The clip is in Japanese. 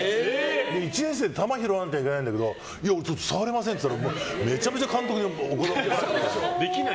１年生は球を拾わなきゃいけないんだけど触れませんって言ったらめちゃめちゃ監督に怒られて。